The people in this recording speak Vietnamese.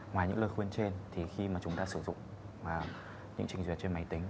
ngoài những lời khuyên trên khi chúng ta sử dụng những trình duyệt trên máy tính